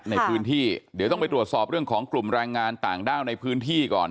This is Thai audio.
ในพื้นที่เดี๋ยวต้องไปตรวจสอบเรื่องของกลุ่มแรงงานต่างด้าวในพื้นที่ก่อน